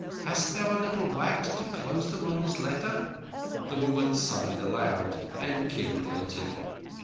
"Hast thou a little wax to close them on this letter?" The woman sighed aloud, and Kim relented.